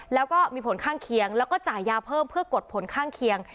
แล้วก็มีผลข้างเคียงแล้วก็จ่ายยาเพิ่มเพื่อกดผลข้างเคียง